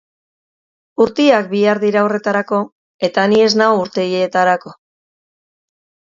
Urteak behar dira horretarako, eta ni ez nago urteetarako.